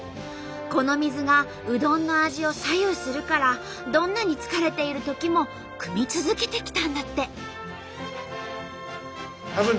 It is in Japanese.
この水がうどんの味を左右するからどんなに疲れているときもくみ続けてきたんだって。